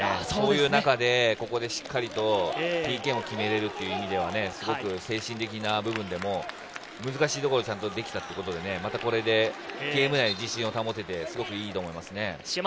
そういう中で、ここでしっかりとＰＫも決められるっていう意味ではすごく精神的な部分でも難しいところをちゃんとできたっていうところで、またこれでゲーム内で自信を保てて、すごくいいと思います。